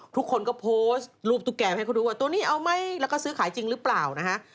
ทุกคนก็โพสต์รูปตุ๊กแกมาให้เขาดูว่าตัวนี้เอาไหมแล้วก็ซื้อขายจริงหรือเปล่านะฮะ